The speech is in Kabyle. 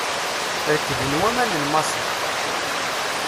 Rekden waman n Massi.